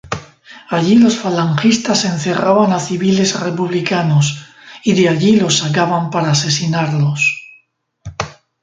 Allí los falangistas encerraban a civiles republicanos y de allí los sacaban para asesinarlos.